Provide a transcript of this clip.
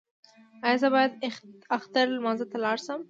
ایا زه باید اختر لمانځه ته لاړ شم؟